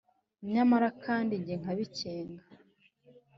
nyamara kandi jye nkabikenga